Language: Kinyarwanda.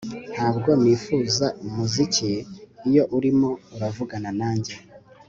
ntabwo nifuza umuziki iyo urimo uravugana nanje